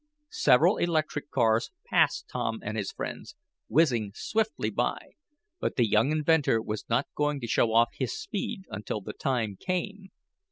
Several electric cars passed Tom and his friends, whizzing swiftly by, but the young inventor was not going to show off his speed until the time came.